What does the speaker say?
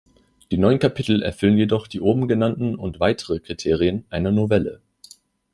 Die neun Kapitel erfüllen jedoch die oben genannten und weitere Kriterien einer Novelle.